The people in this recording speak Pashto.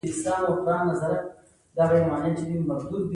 طبيعت هغه د اورېدو له وړتيا پرته نړۍ ته راووست.